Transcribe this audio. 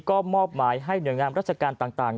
ก็มอบหมายให้หน่วยงานราชการต่าง